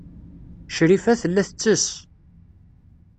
Crifa tella tettess.